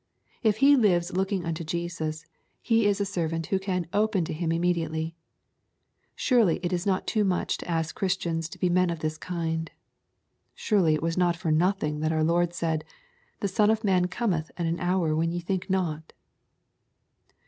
If he lives looking unto Jesus, he is a servant who can " open to Him immediately." Surely it is not too much to ask Christians to be men of this kind. Surely it was not for nothing that our Lord said, '* The Son of Man cometh at an hour when ye think not."